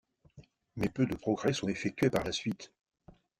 Mais peu de progrès sont effectués par la suite.